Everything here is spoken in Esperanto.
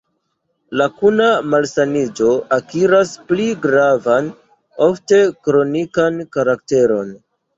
La kuna malsaniĝo akiras pli gravan, ofte kronikan karakteron.